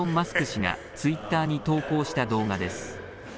氏がツイッターに投稿した動画です。